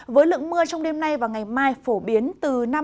với lượng mưa trong đêm nay và ngày mai phổ biến từ năm mươi